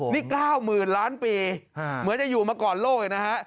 นี่๙๐๐๐ล้านปีเหมือนจะอยู่มาก่อนโลกเลยนะฮะ